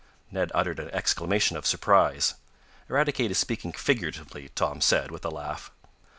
Ned uttered an exclamation of surprise. "Eradicate is speaking figuratively," Tom said, with a laugh.